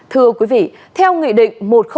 thưa quý vị theo nghị định